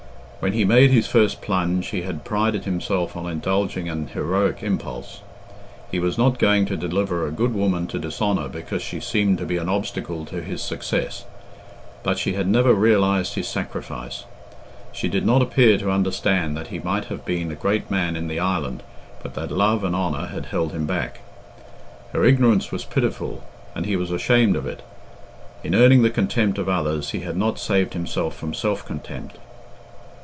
When he made his first plunge, he had prided himself on indulging an heroic impulse. He was not going to deliver a good woman to dishonour because she seemed to be an obstacle to his success. But she had never realised his sacrifice. She did not appear to understand that he might have been a great man in the island, but that love and honour had held him back. Her ignorance was pitiful, and he was ashamed of it. In earning the contempt of others he had not saved himself from self contempt.